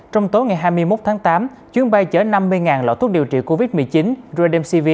trong tối ngày hai mươi một tháng tám chuyến bay chở năm mươi lọ thuốc điều trị covid một mươi chín rodmcv